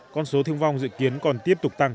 con số thương vong dự kiến còn tiếp tục tăng